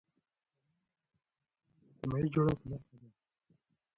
قومونه د افغانستان د اجتماعي جوړښت برخه ده.